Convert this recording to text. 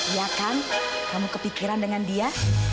ya kan kamu kepikiran dengan dia